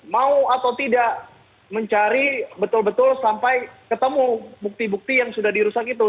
mau atau tidak mencari betul betul sampai ketemu bukti bukti yang sudah dirusak itu